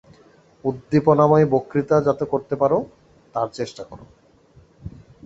উদ্দীপনাময়ী বক্তৃতা যাতে করতে পার, তার চেষ্টা কর।